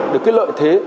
được cái lợi thế